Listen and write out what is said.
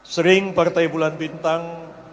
sering partai bulan bintang